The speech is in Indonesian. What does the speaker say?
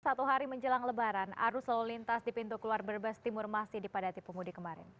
satu hari menjelang lebaran arus lalu lintas di pintu keluar brebes timur masih dipadati pemudik kemarin